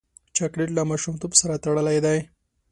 چاکلېټ له ماشومتوب سره تړلی دی.